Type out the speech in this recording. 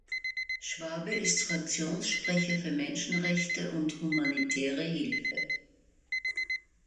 Schwabe ist Fraktionssprecher für Menschenrechte und Humanitäre Hilfe.